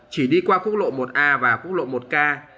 chỉ đi qua khu lộ một a và khu lộ một k